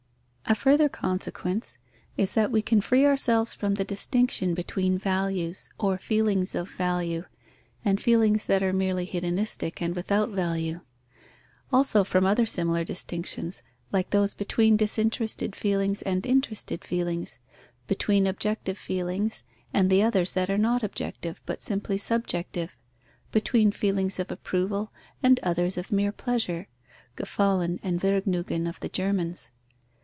_ A further consequence is, that we can free ourselves from the distinction between values or feelings of value, and feelings that are merely hedonistic and without value; also from other similar distinctions, like those between disinterested feelings and interested feelings, between _objective _feelings and the others that are not objective but simply subjective, between feelings of approval and others of mere pleasure (Gefallen and Vergnügen of the Germans).